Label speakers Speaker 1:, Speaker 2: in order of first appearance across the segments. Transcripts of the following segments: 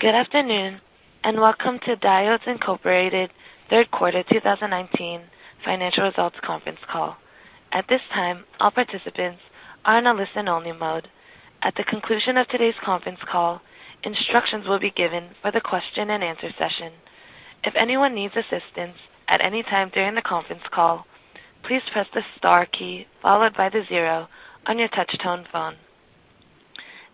Speaker 1: Good afternoon, and welcome to Diodes Incorporated Third Quarter 2019 Financial Results Conference Call. At this time, all participants are in a listen-only mode. At the conclusion of today's conference call, instructions will be given for the question and answer session. If anyone needs assistance at any time during the conference call, please press the star key followed by the zero on your touch-tone phone.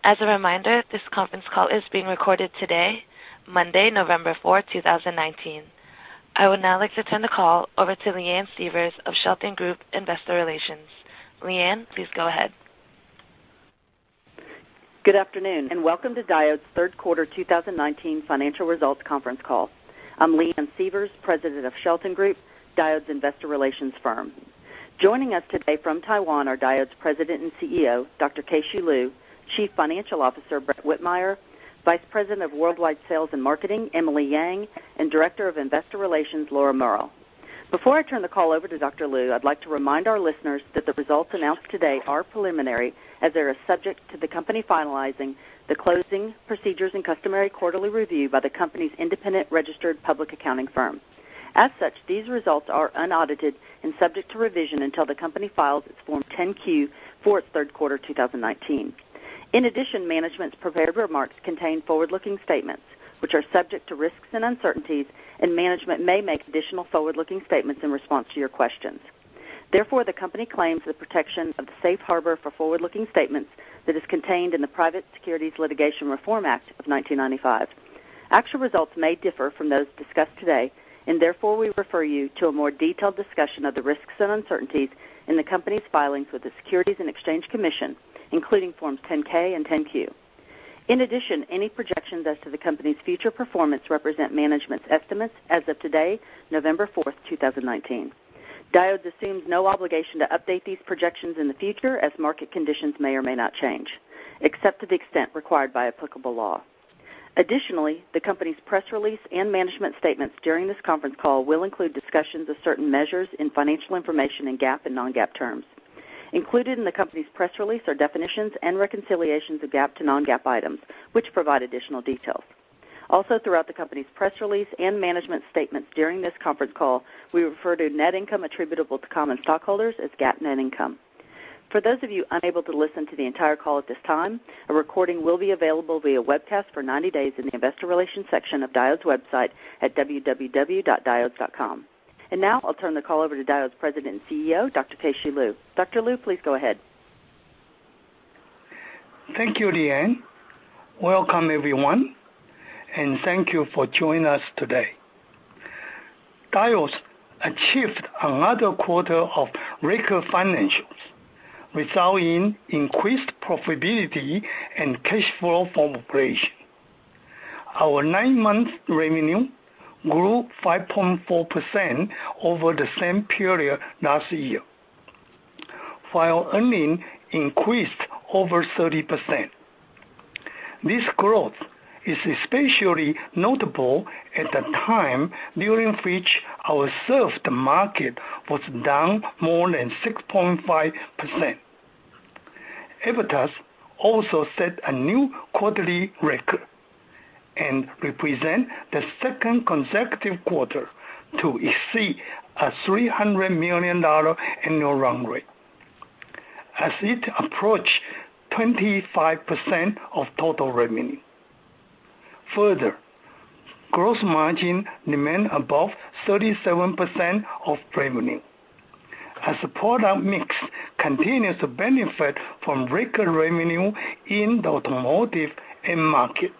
Speaker 1: As a reminder, this conference call is being recorded today, Monday, November fourth, 2019. I would now like to turn the call over to Leanne Sievers of Shelton Group Investor Relations. Leanne, please go ahead.
Speaker 2: Good afternoon, and welcome to Diodes Third Quarter 2019 Financial Results Conference Call. I'm Leanne Sievers, President of Shelton Group, Diodes investor relations firm. Joining us today from Taiwan are Diodes President and CEO, Dr. Keh-Shew Lu, Chief Financial Officer, Brett Whitmire, Vice President of Worldwide Sales and Marketing, Emily Yang, and Director of Investor Relations, Laura Murrell. Before I turn the call over to Dr. Lu, I'd like to remind our listeners that the results announced today are preliminary, as they are subject to the company finalizing the closing procedures and customary quarterly review by the company's independent registered public accounting firm. As such, these results are unaudited and subject to revision until the company files its Form 10-Q for its third quarter 2019. In addition, management's prepared remarks contain forward-looking statements, which are subject to risks and uncertainties, and management may make additional forward-looking statements in response to your questions. Therefore, the company claims the protection of the safe harbor for forward-looking statements that is contained in the Private Securities Litigation Reform Act of 1995. Actual results may differ from those discussed today, and therefore we refer you to a more detailed discussion of the risks and uncertainties in the company's filings with the Securities and Exchange Commission, including Forms 10-K and 10-Q. In addition, any projections as to the company's future performance represent management's estimates as of today, November 4th, 2019. Diodes assumes no obligation to update these projections in the future as market conditions may or may not change, except to the extent required by applicable law. Additionally, the company's press release and management statements during this conference call will include discussions of certain measures in financial information in GAAP and non-GAAP terms. Included in the company's press release are definitions and reconciliations of GAAP to non-GAAP items, which provide additional details. Throughout the company's press release and management statements during this conference call, we refer to net income attributable to common stockholders as GAAP net income. For those of you unable to listen to the entire call at this time, a recording will be available via webcast for 90 days in the investor relations section of Diodes' website at www.diodes.com. Now, I'll turn the call over to Diodes' President and CEO, Dr. Keh-Shew Lu. Dr. Lu, please go ahead.
Speaker 3: Thank you, Leanne. Welcome everyone, and thank you for joining us today. Diodes achieved another quarter of record financials, resulting increased profitability and cash flow from operation. Our nine-month revenue grew 5.4% over the same period last year, while earning increased over 30%. This growth is especially notable at the time during which our served market was down more than 6.5%. EBITDA also set a new quarterly record and represent the second consecutive quarter to exceed a $300 million annual run rate as it approached 25% of total revenue. Gross margin remained above 37% of revenue as product mix continues to benefit from record revenue in the automotive end market,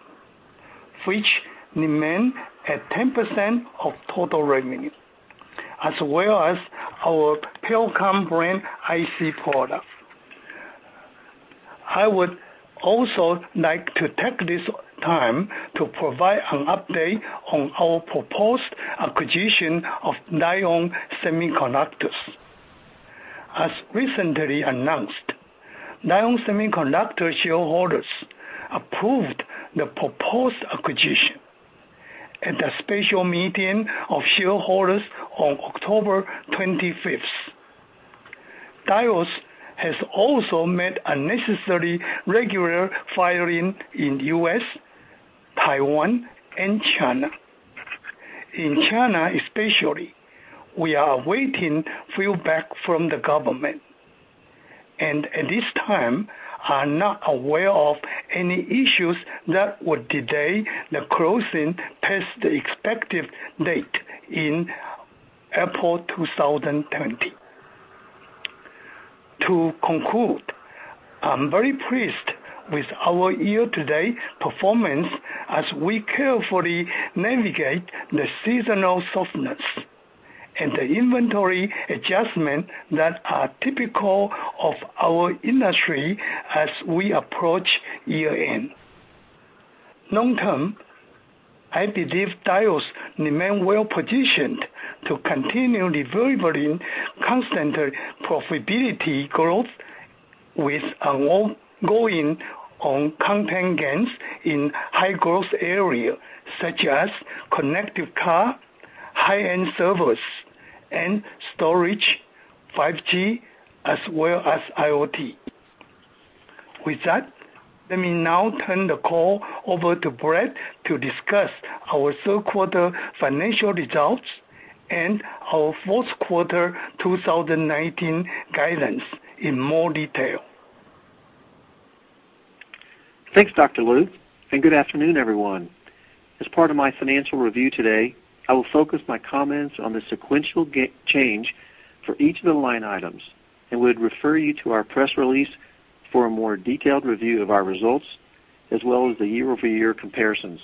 Speaker 3: which remained at 10% of total revenue, as well as our Pericom brand IC product. I would also like to take this time to provide an update on our proposed acquisition of Lite-On Semiconductor. As recently announced, Lite-On Semiconductor shareholders approved the proposed acquisition at a special meeting of shareholders on October 25th. Diodes has also made a necessary regular filing in the U.S., Taiwan, and China. In China especially, we are awaiting feedback from the government and at this time are not aware of any issues that would delay the closing past the expected date in April 2020. To conclude, I'm very pleased with our year-to-date performance as we carefully navigate the seasonal softness and the inventory adjustment that are typical of our industry as we approach year-end. Long-term, I believe Diodes remain well-positioned to continue delivering constant profitability growth with an ongoing content gains in high-growth areas such as connected car, high-end servers and storage, 5G, as well as IoT. With that, let me now turn the call over to Brett to discuss our third quarter financial results and our fourth quarter 2019 guidance in more detail.
Speaker 4: Thanks, Dr. Lu, and good afternoon, everyone. As part of my financial review today, I will focus my comments on the sequential change for each of the line items and would refer you to our press release for a more detailed review of our results, as well as the year-over-year comparisons.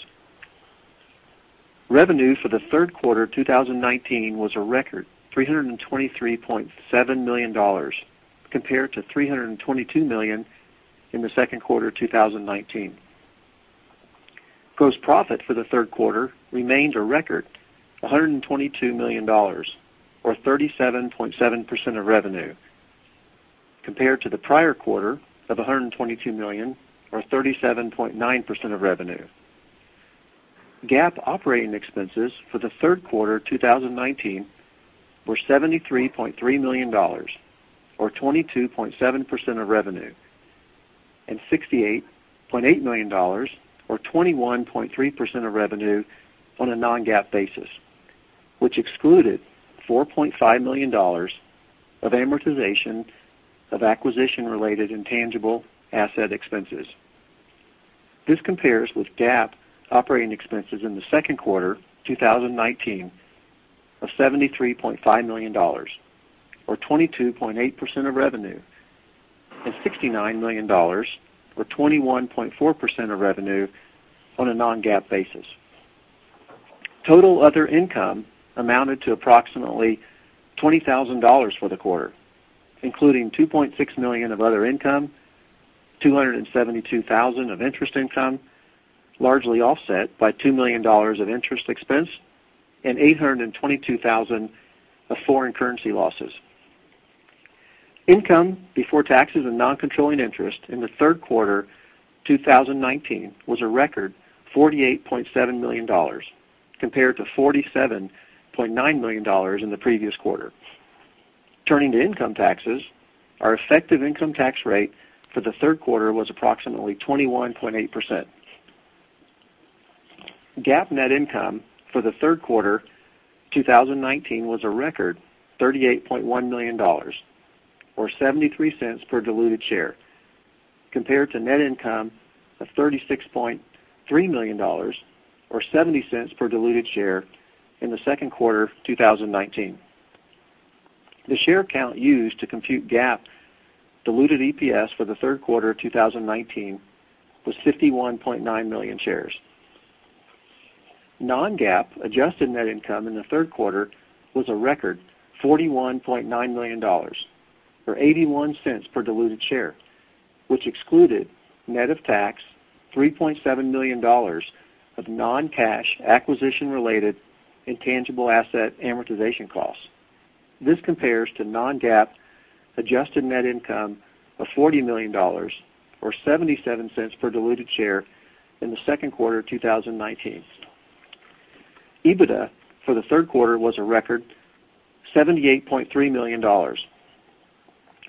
Speaker 4: Revenue for the third quarter 2019 was a record $323.7 million, compared to $322 million in the second quarter of 2019. Gross profit for the third quarter remained a record $122 million, or 37.7% of revenue, compared to the prior quarter of $122 million, or 37.9% of revenue. GAAP operating expenses for the third quarter 2019 were $73.3 million, or 22.7% of revenue, and $68.8 million, or 21.3% of revenue on a non-GAAP basis, which excluded $4.5 million of amortization of acquisition-related intangible asset expenses. This compares with GAAP operating expenses in the second quarter 2019 of $73.5 million, or 22.8% of revenue, and $69 million, or 21.4% of revenue on a non-GAAP basis. Total other income amounted to approximately $20,000 for the quarter, including $2.6 million of other income, $272,000 of interest income, largely offset by $2 million of interest expense, and $822,000 of foreign currency losses. Income before taxes and non-controlling interests in the third quarter 2019 was a record $48.7 million, compared to $47.9 million in the previous quarter. Turning to income taxes, our effective income tax rate for the third quarter was approximately 21.8%. GAAP net income for the third quarter 2019 was a record $38.1 million, or $0.73 per diluted share, compared to net income of $36.3 million, or $0.70 per diluted share in the second quarter of 2019. The share count used to compute GAAP diluted EPS for the third quarter of 2019 was 51.9 million shares. non-GAAP adjusted net income in the third quarter was a record $41.9 million, or $0.81 per diluted share, which excluded net of tax $3.7 million of non-cash acquisition related intangible asset amortization costs. This compares to non-GAAP adjusted net income of $40 million, or $0.77 per diluted share in the second quarter of 2019. EBITDA for the third quarter was a record $78.3 million, or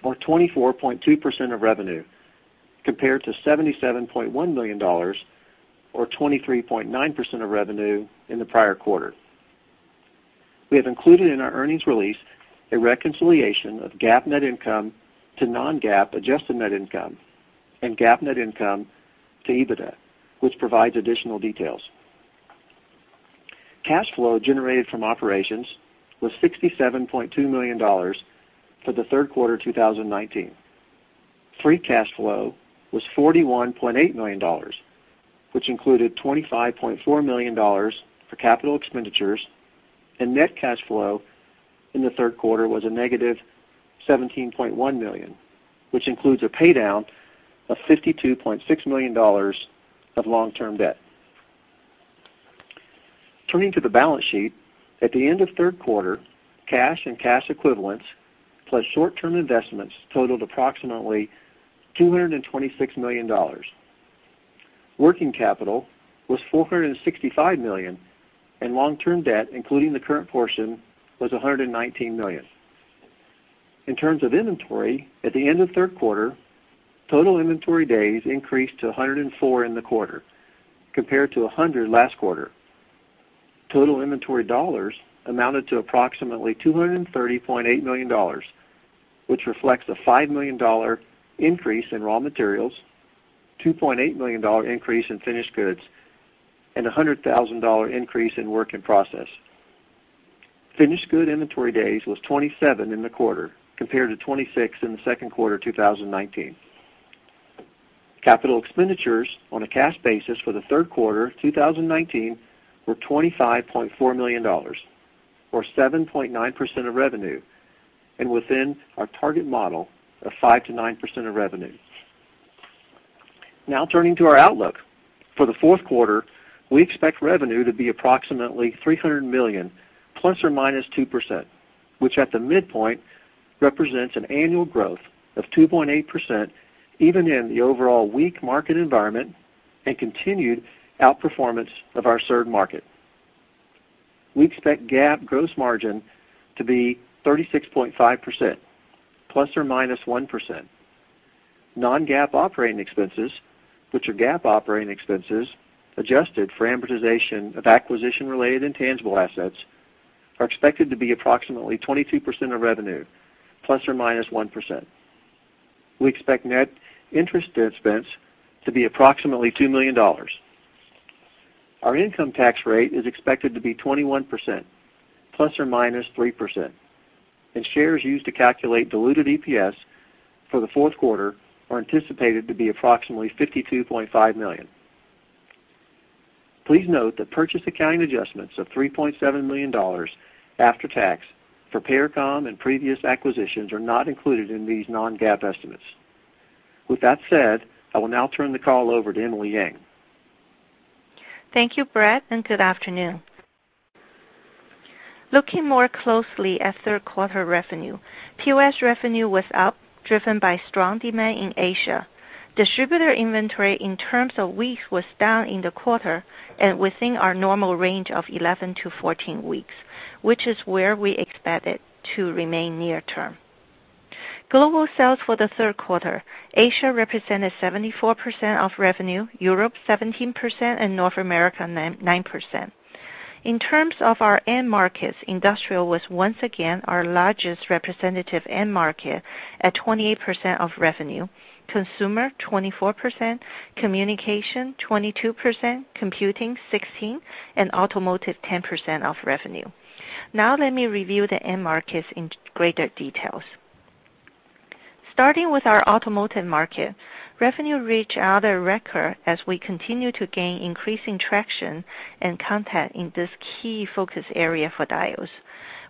Speaker 4: 24.2% of revenue, compared to $77.1 million, or 23.9% of revenue in the prior quarter. We have included in our earnings release a reconciliation of GAAP net income to non-GAAP adjusted net income and GAAP net income to EBITDA, which provides additional details. Cash flow generated from operations was $67.2 million for the third quarter 2019. Free cash flow was $41.8 million, which included $25.4 million for capital expenditures. Net cash flow in the third quarter was a negative $17.1 million, which includes a paydown of $52.6 million of long-term debt. Turning to the balance sheet. At the end of the third quarter, cash and cash equivalents plus short-term investments totaled approximately $226 million. Working capital was $465 million, and long-term debt, including the current portion, was $119 million. In terms of inventory, at the end of the third quarter, total inventory days increased to 104 in the quarter, compared to 100 last quarter. Total inventory dollars amounted to approximately $230.8 million, which reflects a $5 million increase in raw materials, $2.8 million increase in finished goods, and $100,000 increase in work in process. Finished good inventory days was 27 in the quarter, compared to 26 in the second quarter 2019. Capital expenditures on a cash basis for the third quarter 2019 were $25.4 million, or 7.9% of revenue, and within our target model of 5%-9% of revenue. Turning to our outlook. For the fourth quarter, we expect revenue to be approximately $300 million, ±2%, which at the midpoint represents an annual growth of 2.8% even in the overall weak market environment and continued outperformance of our served market. We expect GAAP gross margin to be 36.5%, ±1%. Non-GAAP operating expenses, which are GAAP operating expenses adjusted for amortization of acquisition-related intangible assets, are expected to be approximately 22% of revenue, ±1%. We expect net interest expense to be approximately $2 million. Our income tax rate is expected to be 21% ±3%, and shares used to calculate diluted EPS for the fourth quarter are anticipated to be approximately 52.5 million. Please note that purchase accounting adjustments of $3.7 million after tax for Pericom and previous acquisitions are not included in these non-GAAP estimates. With that said, I will now turn the call over to Emily Yang.
Speaker 5: Thank you, Brett. Good afternoon. Looking more closely at third quarter revenue, POS revenue was up, driven by strong demand in Asia. Distributor inventory in terms of weeks was down in the quarter and within our normal range of 11-14 weeks, which is where we expect it to remain near-term. Global sales for the third quarter, Asia represented 74% of revenue, Europe 17%, North America 9%. In terms of our end markets, industrial was once again our largest representative end market at 28% of revenue, consumer 24%, communication 22%, computing 16%, automotive 10% of revenue. Let me review the end markets in greater details. Starting with our automotive market, revenue reached another record as we continue to gain increasing traction and content in this key focus area for Diodes.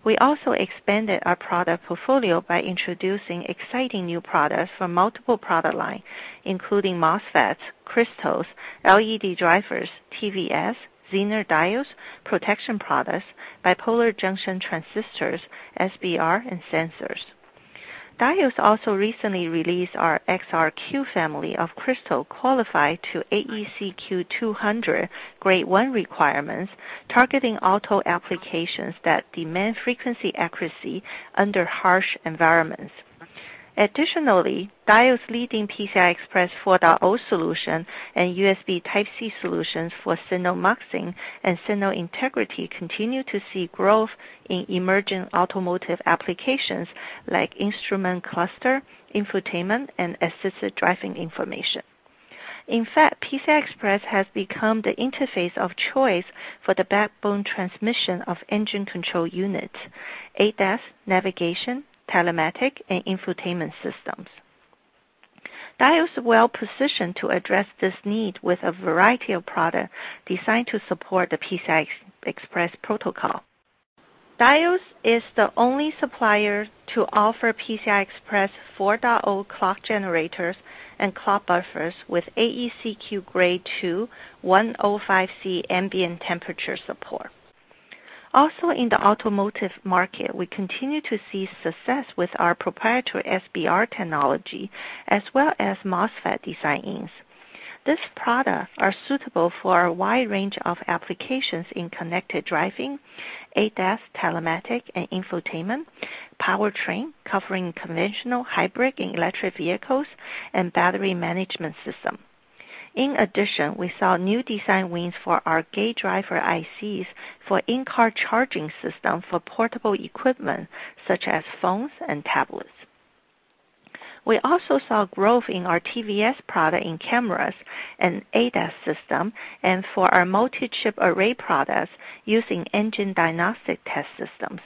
Speaker 5: We also expanded our product portfolio by introducing exciting new products from multiple product lines, including MOSFETs, crystals, LED drivers, TVS, Zener diodes, protection products, bipolar junction transistors, SBR, and sensors. Diodes also recently released our XRQ family of crystal qualified to AEC-Q200 grade 1 requirements, targeting auto applications that demand frequency accuracy under harsh environments. Additionally, Diodes' leading PCI Express 4.0 solution and USB Type-C solutions for signal muxing and signal integrity continue to see growth in emerging automotive applications like instrument cluster, infotainment, and assisted driving information. In fact, PCI Express has become the interface of choice for the backbone transmission of engine control units, ADAS, navigation, telematic, and infotainment systems. Diodes is well-positioned to address this need with a variety of products designed to support the PCI Express protocol. Diodes is the only supplier to offer PCI Express 4.0 clock generators and clock buffers with AEC-Q grade 2 105 degrees Celsius ambient temperature support. Also in the automotive market, we continue to see success with our proprietary SBR technology as well as MOSFET design wins. These products are suitable for a wide range of applications in connected driving, ADAS, telematics, and infotainment, powertrain covering conventional hybrid and electric vehicles, and battery management system. In addition, we saw new design wins for our gate driver ICs for in-car charging system for portable equipment such as phones and tablets. We also saw growth in our TVS product in cameras and ADAS system and for our multi-chip array products using engine diagnostic test systems.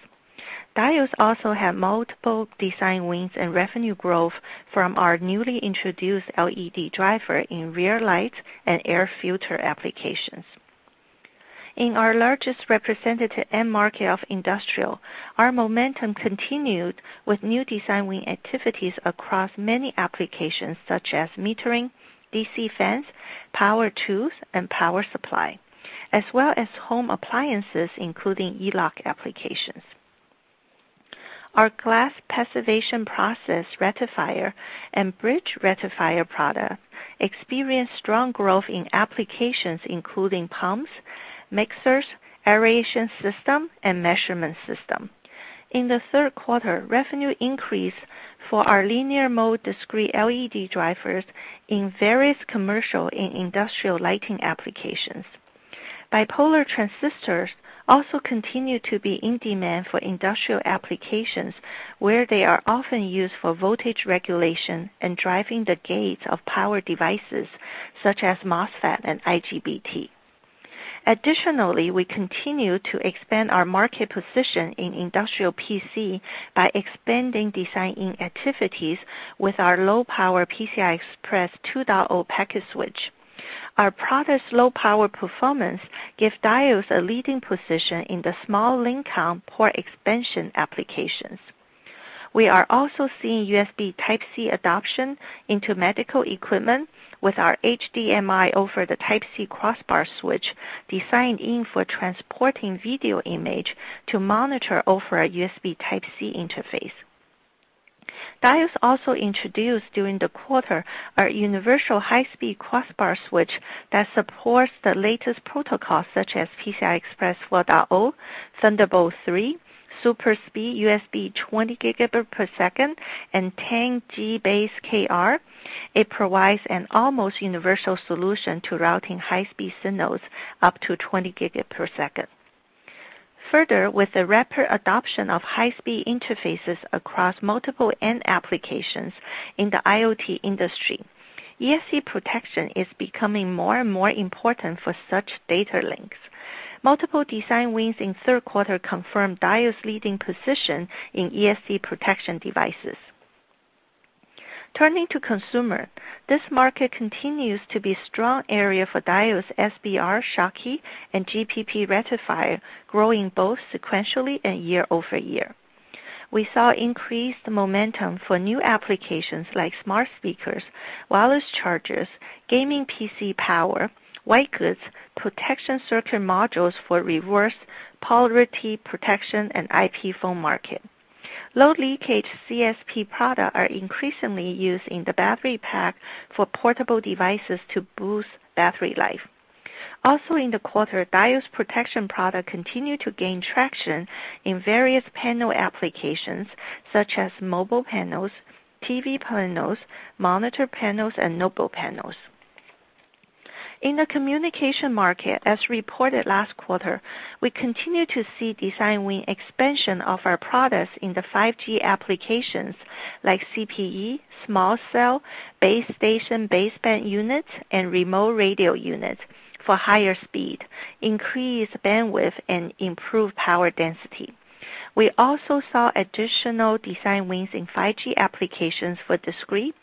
Speaker 5: Diodes also have multiple design wins and revenue growth from our newly introduced LED driver in rear lights and air filter applications. In our largest representative end market of industrial, our momentum continued with new design win activities across many applications such as metering, DC fans, power tools, and power supply, as well as home appliances, including e-lock applications. Our glass passivation process rectifier and bridge rectifier product experienced strong growth in applications including pumps, mixers, aeration system, and measurement system. In the third quarter, revenue increased for our linear mode discrete LED drivers in various commercial and industrial lighting applications. Bipolar transistors also continue to be in demand for industrial applications where they are often used for voltage regulation and driving the gates of power devices such as MOSFET and IGBT. Additionally, we continue to expand our market position in industrial PC by expanding design activities with our low-power PCI Express 2.0 packet switch. Our product's low-power performance gives Diodes a leading position in the small link count port expansion applications. We are also seeing USB Type-C adoption into medical equipment with our HDMI over the Type-C crossbar switch designed in for transporting video image to monitor over a USB Type-C interface. Diodes also introduced during the quarter our universal high-speed crossbar switch that supports the latest protocols such as PCI Express 4.0, Thunderbolt 3, SuperSpeed USB 20 gigabit per second, and 10GBASE-KR. It provides an almost universal solution to routing high-speed signals up to 20 gigabit per second. Further, with the rapid adoption of high-speed interfaces across multiple end applications in the IoT industry, ESD protection is becoming more and more important for such data links. Multiple design wins in the third quarter confirmed Diodes' leading position in ESD protection devices. Turning to consumer, this market continues to be a strong area for Diodes' SBR Schottky and GPP rectifier, growing both sequentially and year-over-year. We saw increased momentum for new applications like smart speakers, wireless chargers, gaming PC power, white goods, protection circuit modules for reverse polarity protection, and IP phone market. Low leakage CSP products are increasingly used in the battery pack for portable devices to boost battery life. Also in the quarter, Diodes' protection products continued to gain traction in various panel applications such as mobile panels, TV panels, monitor panels, and notebook panels. In the communication market, as reported last quarter, we continued to see design win expansion of our products in the 5G applications like CPE, small cell, base station, baseband units, and remote radio units for higher speed, increased bandwidth, and improved power density. We also saw additional design wins in 5G applications for discrete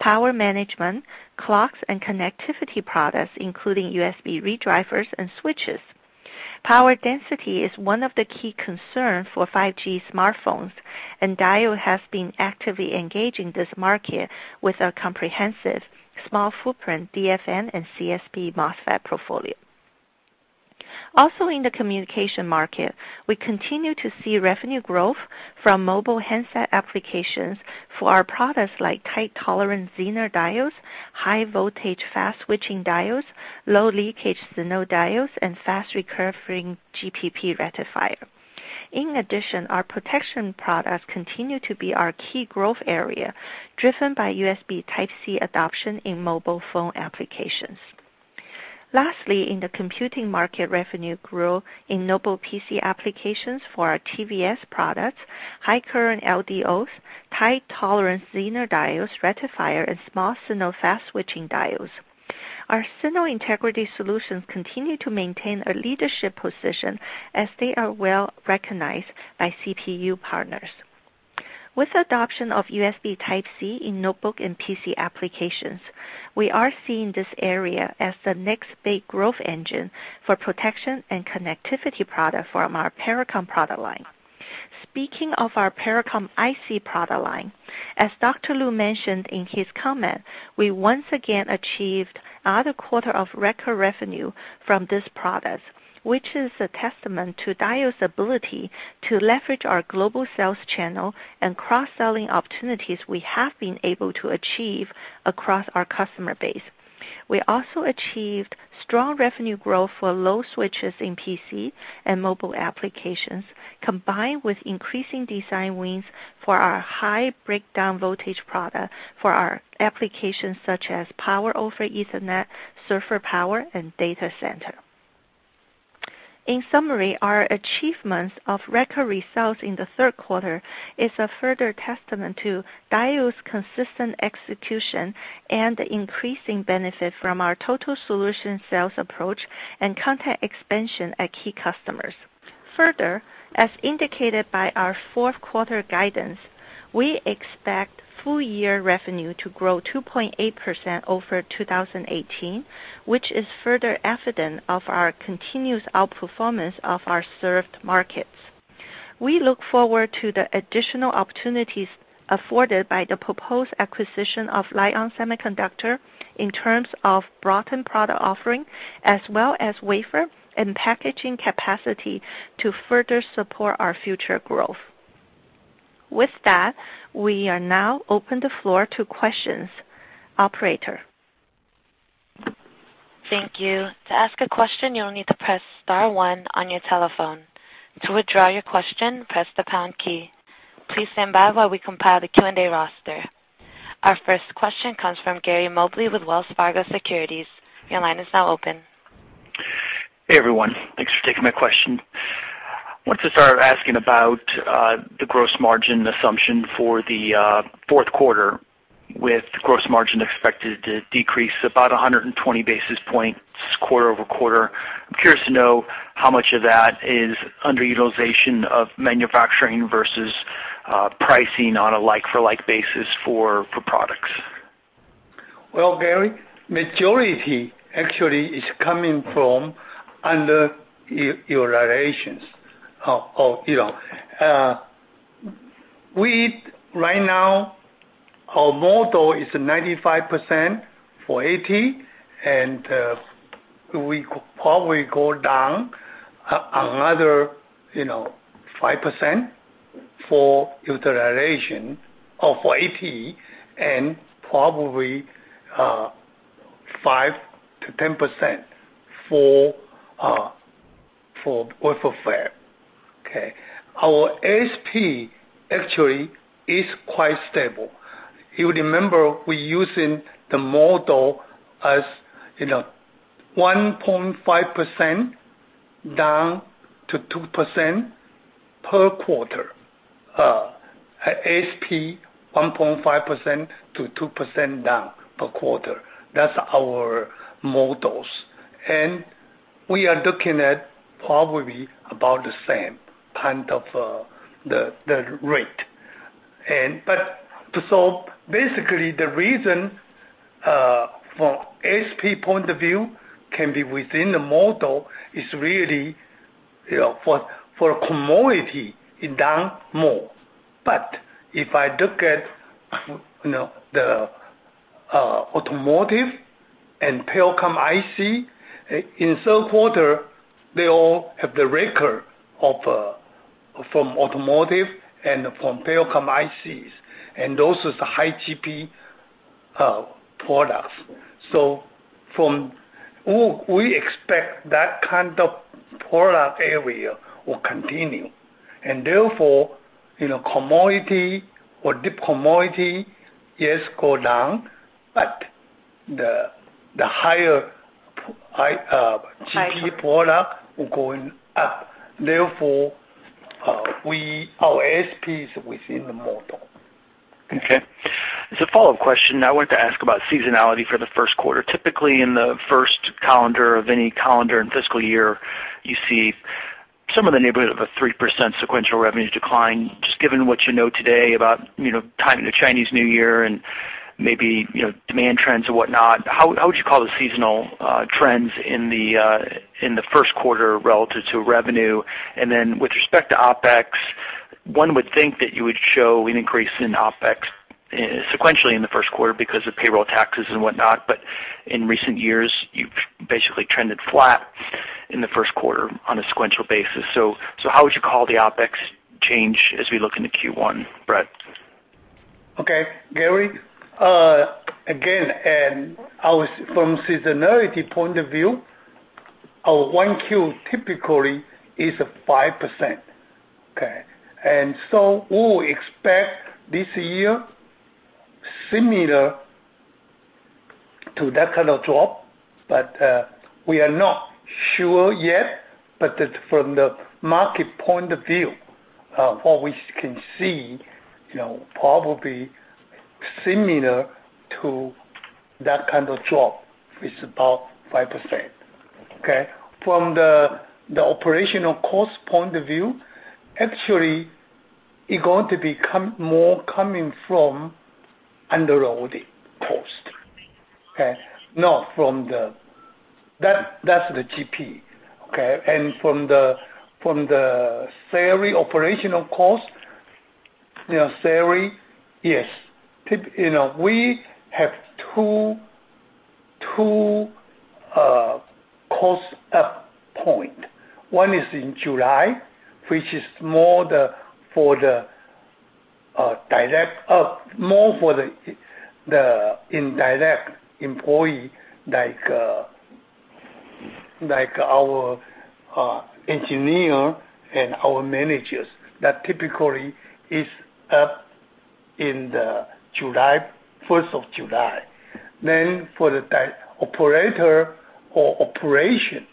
Speaker 5: power management, clocks, and connectivity products, including USB redrivers and switches. Power density is one of the key concerns for 5G smartphones, and Diodes has been actively engaging this market with our comprehensive small footprint DFN and CSP MOSFET portfolio. Also in the communication market, we continue to see revenue growth from mobile handset applications for our products like tight tolerance Zener diodes, high voltage fast-switching diodes, low leakage signal diodes, and fast recovering GPP rectifier. In addition, our protection products continue to be our key growth area, driven by USB Type-C adoption in mobile phone applications. Lastly, in the computing market, revenue grew in notebook PC applications for our TVS products, high current LDOs, tight tolerance Zener diodes, rectifiers, and small signal fast-switching diodes. Our signal integrity solutions continue to maintain a leadership position as they are well recognized by CPU partners. With the adoption of USB Type-C in notebook and PC applications, we are seeing this area as the next big growth engine for protection and connectivity products from our Pericom product line. Speaking of our Pericom IC product line, as Dr. Lu mentioned in his comment, we once again achieved another quarter of record revenue from these products, which is a testament to Diodes' ability to leverage our global sales channel and cross-selling opportunities we have been able to achieve across our customer base. We also achieved strong revenue growth for load switches in PC and mobile applications, combined with increasing design wins for our high breakdown voltage product for our applications such as Power over Ethernet, server power, and data center. In summary, our achievements of record results in the third quarter is a further testament to Diodes' consistent execution and the increasing benefit from our total solution sales approach and content expansion at key customers. Further, as indicated by our fourth quarter guidance, we expect full year revenue to grow 2.8% over 2018, which is further evidence of our continuous outperformance of our served markets. We look forward to the additional opportunities afforded by the proposed acquisition of Lite-On Semiconductor in terms of broadened product offering as well as wafer and packaging capacity to further support our future growth. With that, we are now open the floor to questions. Operator?
Speaker 1: Thank you. To ask a question, you'll need to press star one on your telephone. To withdraw your question, press the pound key. Please stand by while we compile the Q&A roster. Our first question comes from Gary Mobley with Wells Fargo Securities. Your line is now open.
Speaker 6: Hey, everyone. Thanks for taking my question. Wanted to start asking about the gross margin assumption for the fourth quarter with gross margin expected to decrease about 120 basis points quarter-over-quarter. I'm curious to know how much of that is underutilization of manufacturing versus pricing on a like-for-like basis for products.
Speaker 3: Well, Gary, majority actually is coming from underutilizations. Right now, our model is 95% for AT, and we probably go down another 5% for utilization or for AP, and probably 5%-10% for wafer. Okay. Our ASP actually is quite stable. You remember we using the model as 1.5%-2% per quarter. ASP 1.5%-2% down per quarter. That's our models. We are looking at probably about the same kind of the rate. Basically, the reason, from ASP point of view, can be within the model, is really for commodity is down more. If I look at the automotive and telecom IC, in some quarter, they all have the record from automotive and from telecom ICs, and those is the high GP products. We expect that kind of product area will continue, and therefore, commodity or deep commodity, yes, go down, but the higher GP product will going up. Therefore, our ASP is within the model.
Speaker 6: Okay. As a follow-up question, I wanted to ask about seasonality for the first quarter. Typically, in the first calendar of any calendar and fiscal year, you see somewhere in the neighborhood of a 3% sequential revenue decline. Given what you know today about timing of Chinese New Year and maybe demand trends or whatnot, how would you call the seasonal trends in the first quarter relative to revenue? Then with respect to OpEx, one would think that you would show an increase in OpEx sequentially in the first quarter because of payroll taxes and whatnot, in recent years, you've basically trended flat in the first quarter on a sequential basis. How would you call the OpEx change as we look into Q1, Brett?
Speaker 3: Okay, Gary. From seasonality point of view, our 1Q typically is 5%. Okay? We will expect this year similar to that kind of drop, but we are not sure yet. From the market point of view, what we can see, probably similar to that kind of drop. It's about 5%. Okay? From the operational cost point of view, actually, it going to be more coming from underloading cost, okay? Not from the That's the GP, okay? From the salary operational cost, salary, yes. We have two cost up point. One is in July, which is more for the indirect employee, like our engineer and our managers. That typically is up in the 1st of July. For the operator or operation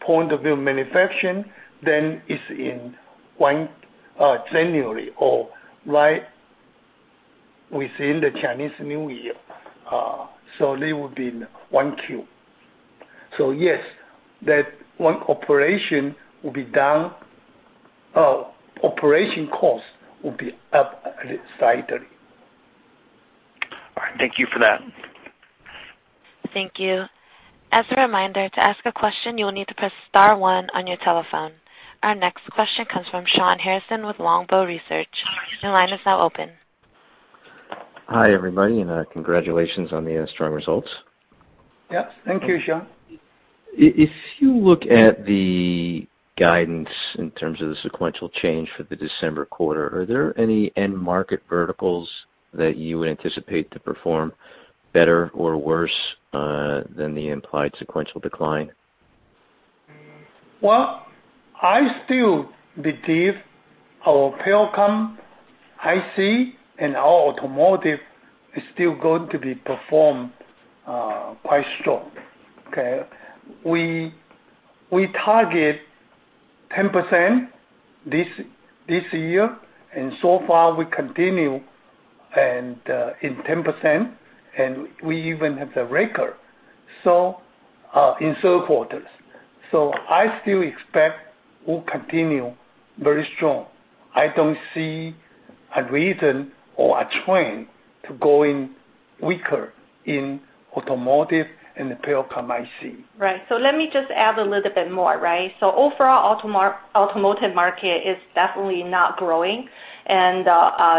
Speaker 3: point of view, manufacturing, it's in January or right within the Chinese New Year. They will be in 1Q. Yes, that one operation will be down. Operation cost will be up slightly.
Speaker 6: All right. Thank you for that.
Speaker 1: Thank you. As a reminder, to ask a question, you will need to press star one on your telephone. Our next question comes from Shawn Harrison with Longbow Research. Your line is now open.
Speaker 7: Hi, everybody, congratulations on the strong results.
Speaker 3: Yeah. Thank you, Shawn.
Speaker 7: If you look at the guidance in terms of the sequential change for the December quarter, are there any end market verticals that you would anticipate to perform better or worse, than the implied sequential decline?
Speaker 3: Well, I still believe our telecom, IC, and our automotive is still going to be performed quite strong. Okay? We target 10% this year. So far we continue in 10%. We even have the record in third quarters. I still expect we'll continue very strong. I don't see a reason or a trend to going weaker in automotive and the power conversion.
Speaker 5: Right. Let me just add a little bit more. Overall, automotive market is definitely not growing, and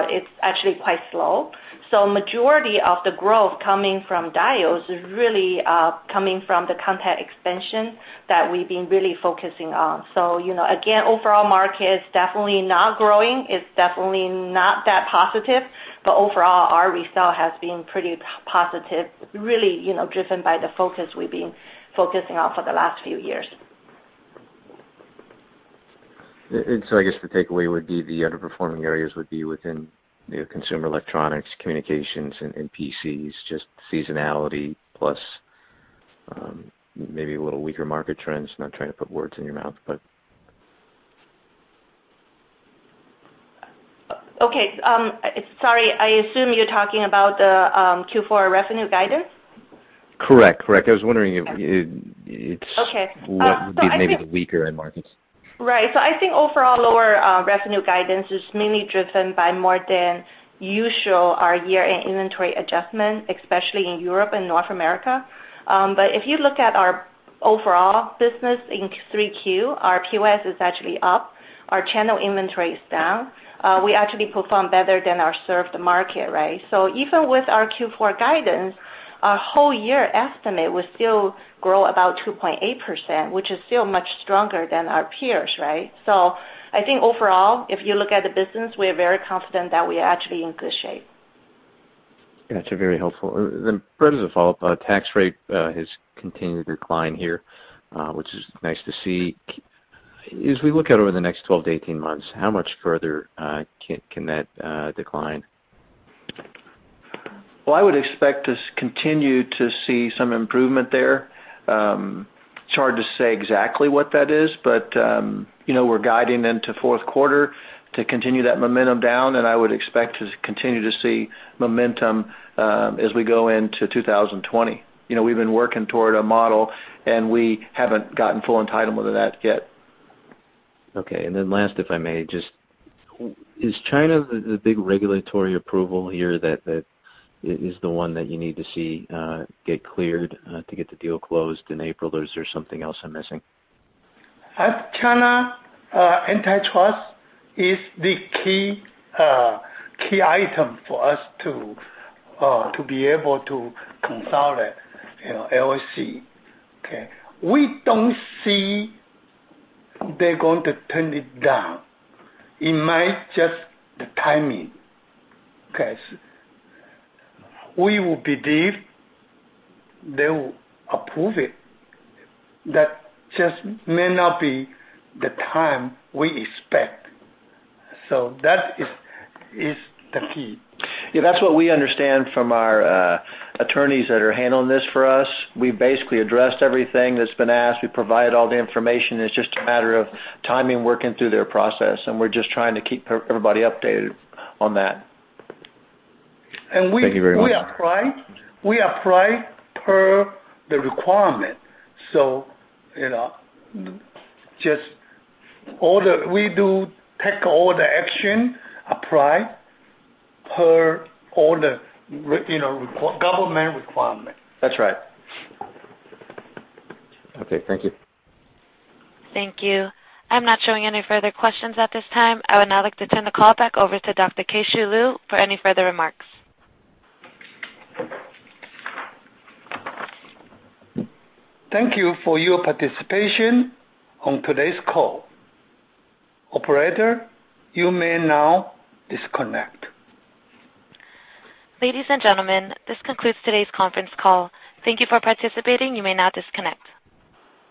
Speaker 5: it's actually quite slow. Majority of the growth coming from Diodes is really coming from the content expansion that we've been really focusing on. Again, overall market is definitely not growing, it's definitely not that positive, but overall, our result has been pretty positive, really driven by the focus we've been focusing on for the last few years.
Speaker 7: I guess the takeaway would be the underperforming areas would be within consumer electronics, communications, and PCs, just seasonality plus, maybe a little weaker market trends. Not trying to put words in your mouth.
Speaker 5: Okay. Sorry, I assume you're talking about the Q4 revenue guidance?
Speaker 7: Correct.
Speaker 5: Okay.
Speaker 7: What would be maybe the weaker end markets?
Speaker 5: Right. I think overall lower revenue guidance is mainly driven by more than usual our year-end inventory adjustment, especially in Europe and North America. If you look at our overall business in Q3, our POS is actually up, our channel inventory is down. We actually performed better than our served market. Even with our Q4 guidance, our whole year estimate will still grow about 2.8%, which is still much stronger than our peers. I think overall, if you look at the business, we are very confident that we are actually in good shape.
Speaker 7: Yeah, it's very helpful. Part as a follow-up, tax rate has continued to decline here, which is nice to see. As we look out over the next 12-18 months, how much further can that decline?
Speaker 4: Well, I would expect to continue to see some improvement there. It's hard to say exactly what that is, but we're guiding into fourth quarter to continue that momentum down, and I would expect to continue to see momentum as we go into 2020. We've been working toward a model, and we haven't gotten full entitlement of that yet.
Speaker 7: Okay, then last, if I may, just is China the big regulatory approval here that is the one that you need to see get cleared to get the deal closed in April, or is there something else I'm missing?
Speaker 3: At China, antitrust is the key item for us to be able to consolidate LSC. We don't see they're going to turn it down. It might just the timing. We will believe they will approve it. That just may not be the time we expect. That is the key.
Speaker 4: That's what we understand from our attorneys that are handling this for us. We basically addressed everything that's been asked. We provided all the information. It's just a matter of timing, working through their process, and we're just trying to keep everybody updated on that.
Speaker 3: And we-
Speaker 7: Thank you very much.
Speaker 3: We applied per the requirement. We do take all the action applied per all the government requirement.
Speaker 4: That's right.
Speaker 7: Okay. Thank you.
Speaker 1: Thank you. I'm not showing any further questions at this time. I would now like to turn the call back over to Dr. Keh-Shew Lu for any further remarks.
Speaker 3: Thank you for your participation on today's call. Operator, you may now disconnect.
Speaker 1: Ladies and gentlemen, this concludes today's conference call. Thank you for participating. You may now disconnect.